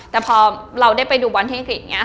แต่พอเราได้ไปดูบอลที่อังกฤษ